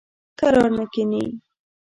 کرار نه کیني.